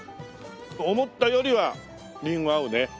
思ったよりはりんご合うね。